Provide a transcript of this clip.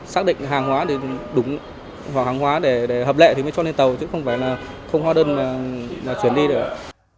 xác định hàng hóa thì đúng hoặc hàng hóa để hợp lệ thì mới cho lên tàu chứ không phải là không hóa đơn là chuyển đi được